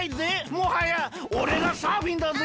もはやおれがサーフィンだぜ！